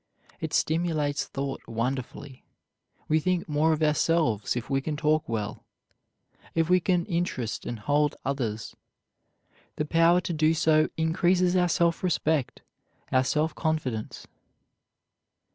It stimulates thought wonderfully. We think more of ourselves if we can talk well, if we can interest and hold others. The power to do so increases our self respect, our self confidence.